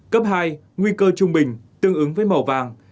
cấp hai nguy cơ trung bình tương ứng với màu vàng